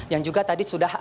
yang juga tadi sudah